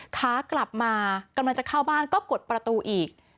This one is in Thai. ขากลับมากำลังจะเข้าบ้านก็กดประตูอีก